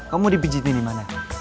kamu dipijitin dimana